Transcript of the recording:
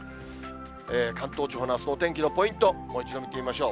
関東地方のあすのお天気のポイント、もう一度見てみましょう。